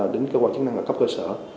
đến cơ quan chức năng là cấp cơ sở